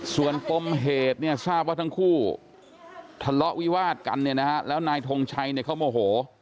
ส่วนปมเหตุเนี่ยทราบว่าทั้งคู่ทะเลาะวิวาดกันเนี่ยนะฮะแล้วนายทงชัยเนี่ยเขาโมโห